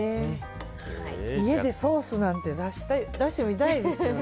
家でソースなんて出してみたいですよね。